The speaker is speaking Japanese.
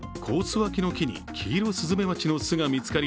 脇の木にキイロスズメバチの巣が見つかり